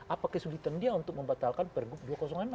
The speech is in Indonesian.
apa kesulitan dia untuk membatalkan pergub dua ratus enam